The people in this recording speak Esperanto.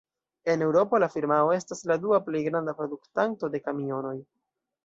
En Eŭropo la firmao estas la dua plej granda produktanto de kamionoj.